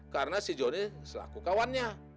karena si joni selaku kawannya